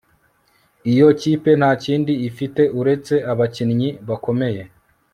Iyo kipe ntakindi ifite uretse abakinnyi bakomeye